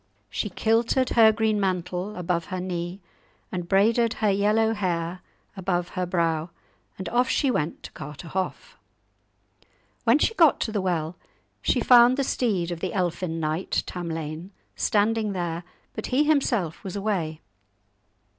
She kilted her green mantle above her knee, and braided her yellow hair above her brow, and off she went to Carterhaugh. When she got to the well, she found the steed of the elfin knight Tamlane standing there, but he himself was away.